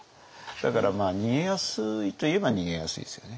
だから逃げやすいといえば逃げやすいですよね。